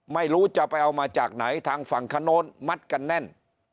ไม่รู้จะไปเอามาจากไหนทางฝั่งคนโน้นมัดกันแน่น